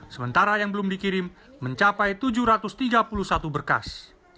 sementara yang belum dikirim mencapai tujuh ratus tiga puluh satu berkas